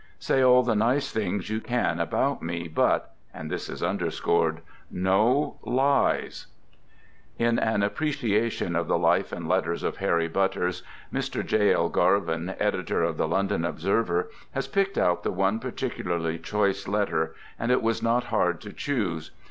Say all the nice things you can about me, but" (and this is underscored) In an appreciation of the " Life and Letters of Harry Butters," Mr. J. L. Garvin, editor of the London Observer, has picked out the one particu larly choice letter, and it was not hard to choose.